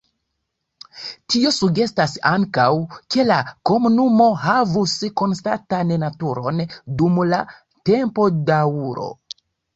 Tio sugestas ankaŭ, ke la komunumo havus konstantan naturon dum la tempodaŭro.